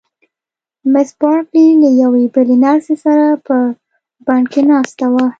مس بارکلي له یوې بلې نرسې سره په بڼ کې ناسته وه.